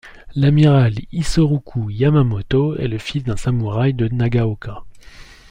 L'amiral Isoroku Yamamoto est le fils d'un samouraï de Nagaoka.